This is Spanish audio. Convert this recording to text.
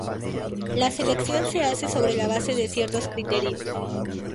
La selección se hace sobre la base de ciertos criterios.